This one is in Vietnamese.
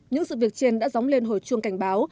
những sự việc trên đã dóng lên hồi chuông cảnh báo